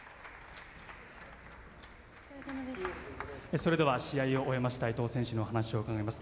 それでは試合を終えました伊藤選手のお話を伺います。